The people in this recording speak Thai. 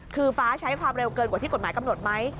คือฟ้าใช้ความเร็วเกินกว่าที่กฎหมายกำหนดไหม